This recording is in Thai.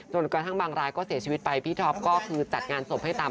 กระทั่งบางรายก็เสียชีวิตไปพี่ท็อปก็คือจัดงานศพให้ตาม